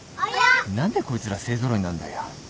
何でこいつら勢揃いなんだよ。